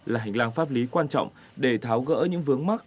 là hành lang pháp lý quan trọng để tháo gỡ những vướng mắt